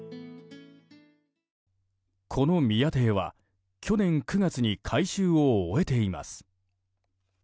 この宮邸は去年９月に改修を終えています。